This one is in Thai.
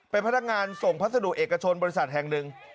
เป็นพนักงานส่งพัสดุเอกชนบริษัทแห่งหนึ่ง